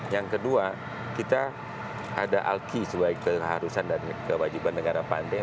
yang kedua kita ada alki sebagai keharusan dan kewajiban negara pandai